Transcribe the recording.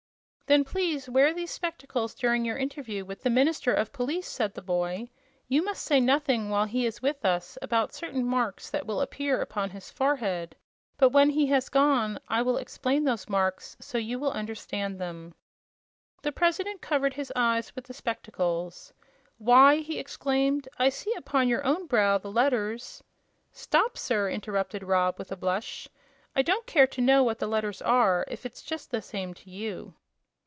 "Then please wear these spectacles during your interview with the minister of police," said the boy. "You must say nothing, while he is with us, about certain marks that will appear upon his forehead; but when he has gone I will explain those marks so you will understand them." The President covered his eyes with the spectacles. "Why," he exclaimed, "I see upon your own brow the letters " "Stop, sir!" interrupted Rob, with a blush; "I don't care to know what the letters are, if it's just the same to you."